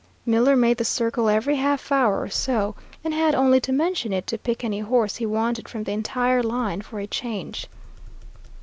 Miller made the circle every half hour or so; and had only to mention it to pick any horse he wanted from the entire line for a change.